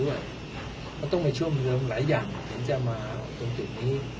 เหมือนกันมีช่วงเทองหลายอย่างแทนจะมาตรงตรงนี้